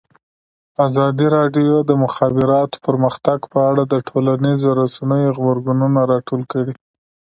ازادي راډیو د د مخابراتو پرمختګ په اړه د ټولنیزو رسنیو غبرګونونه راټول کړي.